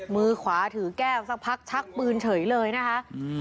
มือขวาถือแก้วสักพักชักปืนเฉยเลยนะคะ